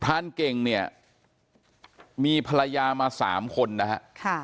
พระอันเกงเนี่ยมีภรรยามา๓คนนะครับ